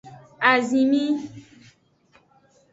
Azinmi.